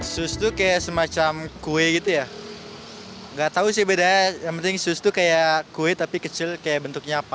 sus itu seperti kue tidak tahu bedanya yang penting sus itu seperti kue tapi kecil seperti bentuknya apa